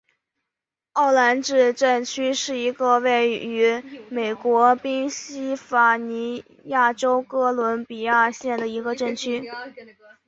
奥兰治镇区是一个位于美国宾夕法尼亚州哥伦比亚县的一个镇区。